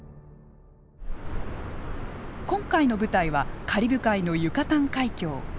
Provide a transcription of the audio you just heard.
今回の舞台はカリブ海のユカタン海峡。